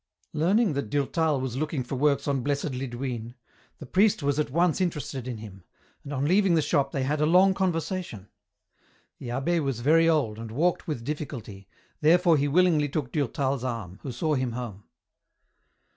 Learning that Durtal was looking for works on Blessed Lidwine, the priest was at once interested in him, and on leaving the shop they had a long conversation. The abb6 was very old and walked with difficulty, therefore he willingly took Durtal's arm, who saw him home.